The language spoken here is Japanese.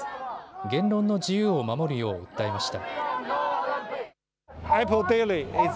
言論の自由を守るよう訴えました。